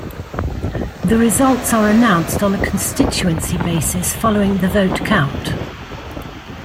The results are announced on a constituency basis following the vote count.